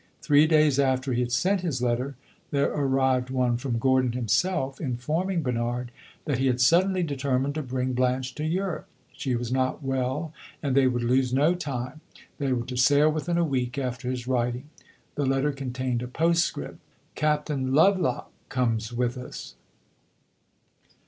Three days after he had sent his letter there arrived one from Gordon himself, informing Bernard that he had suddenly determined to bring Blanche to Europe. She was not well, and they would lose no time. They were to sail within a week after his writing. The letter contained a postscript "Captain Lovelock comes with us."